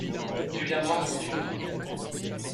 tu viendras quand tu voudras.